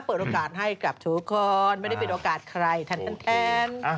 เปิดโอกาสให้กับทุกคนไม่ได้เป็นโอกาสใครแทน